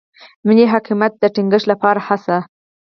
ملي حاکمیت د ټینګښت لپاره هڅه.